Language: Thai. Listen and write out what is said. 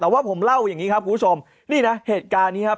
แต่ว่าผมเล่าอย่างนี้ครับคุณผู้ชมนี่นะเหตุการณ์นี้ครับ